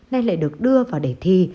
nên lại được đưa vào đề thi